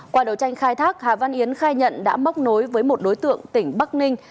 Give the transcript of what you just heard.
qua đấu tranh khai thác hà văn yến khai nhận đã móc nối với một đối tượng tỉnh bắc ninh